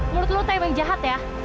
menurut lo tak emang jahat ya